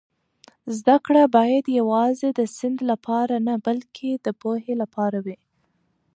زده کړه باید یوازې د سند لپاره نه بلکې د پوهې لپاره وي.